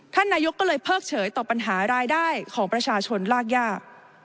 ท่านนายกก็เลยเพิกเฉยต่อปัญหารายได้ของประชาชนลากยาก